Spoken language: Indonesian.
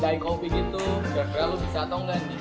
jadi gue pengennya bikin logo gitu